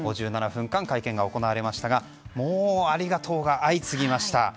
５７分間、会見が行われましたがもう、ありがとうが相次ぎました。